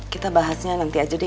kita bahasnya nanti aja deh